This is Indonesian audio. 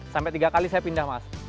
sampai tiga kali saya pindah mas